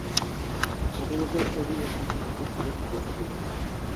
ئوقۇغۇچىلار توردىن ياكى تېلېفون ئارقىلىق بېلەت سېتىۋالسا بولىدىكەن.